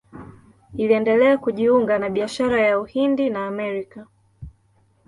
Iliendelea kujiunga na biashara ya Uhindi na Amerika.